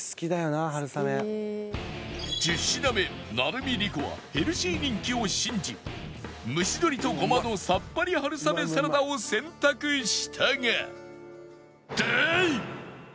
１０品目成海璃子はヘルシー人気を信じ蒸し鶏と胡麻のさっぱり春雨サラダを選択したが